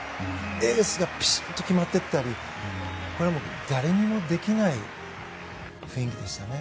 エースがピシッと決まったりこれはもう、誰にもできない雰囲気でしたね。